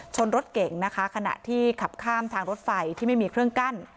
รถเก่งนะคะขณะที่ขับข้ามทางรถไฟที่ไม่มีเครื่องกั้น